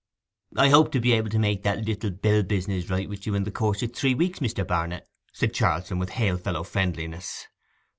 'I hope to be able to make that little bill business right with you in the course of three weeks, Mr. Barnet,' said Charlson with hail fellow friendliness.